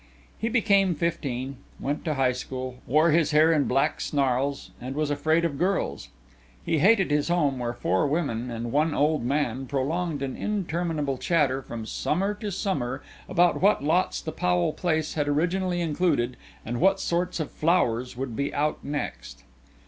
He became fifteen, went to high school, wore his hair in black snarls, and was afraid of girls. He hated his home where four women and one old man prolonged an interminable chatter from summer to summer about what lots the Powell place had originally included and what sorts of flowers would be out next.